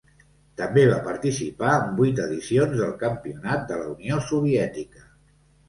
També va participar en vuit edicions del Campionat de la Unió Soviètica.